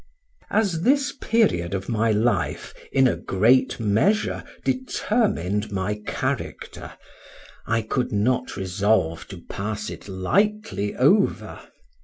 As this period of my life, in a great measure, determined my character, I could not resolve to pass it lightly over.